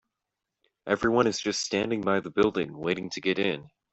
Everyone is just standing by the building, waiting to get in.